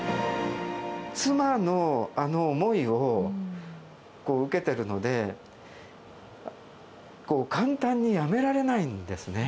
妻のあの思いを受けているので、簡単に辞められないんですね。